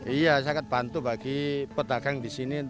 iya sangat bantu bagi petagang di sini